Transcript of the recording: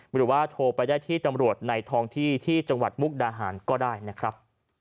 หรือว่าโทรไปได้ที่ตำรวจในทองที่ที่จังหวัดมุกดาหารก็ได้นะครับ